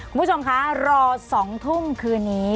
คุณผู้ชมคะรอ๒ทุ่มคืนนี้